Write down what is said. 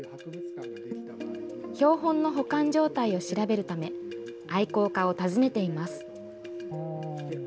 標本の保管状態を調べるため、愛好家を訪ねています。